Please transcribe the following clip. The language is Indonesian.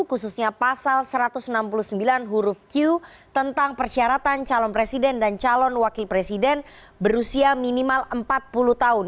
khususnya pasal satu ratus enam puluh sembilan huruf q tentang persyaratan calon presiden dan calon wakil presiden berusia minimal empat puluh tahun